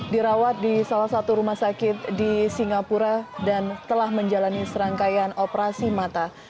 dirawat di salah satu rumah sakit di singapura dan telah menjalani serangkaian operasi mata